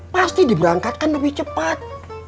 pasti diberangkatkan lebih cepat